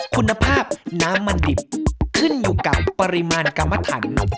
คุณภาพน้ำมันดิบขึ้นอยู่กับปริมาณกรรมฐาน